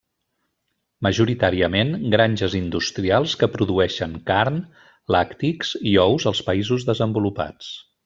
Majoritàriament granges industrials que produeixen carn, làctics i ous als països desenvolupats.